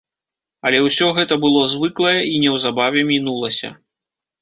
Але ўсё гэта было звыклае і неўзабаве мінулася.